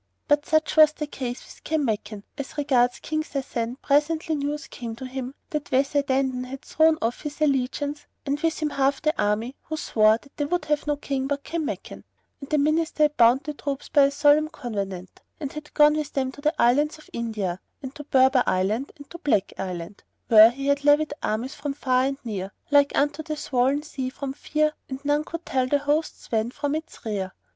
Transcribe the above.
Such was the case with Kanmakan; but as regards King Sasan, presently news came to him that the Wazir Dandan had thrown off his allegiance, and with him half the army who swore that they would have no King but Kanmakan: and the Minister had bound the troops by a solemn covenant and had gone with them to the Islands of India and to Berber land and to Black land;[FN#93] where he had levied armies from far and near, like unto the swollen sea for fear and none could tell the host's van from its rear.